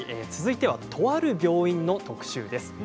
続いてはとある病院の特集です。